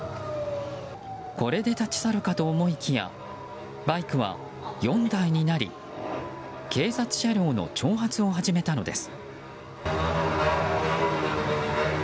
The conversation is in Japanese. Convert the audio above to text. これで立ち去るかと思いきやバイクは４台になり警察車両の挑発を始めたのです。